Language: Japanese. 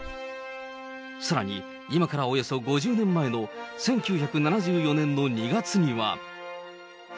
さらに、今からおよそ５０年前の１９７４年の２月には。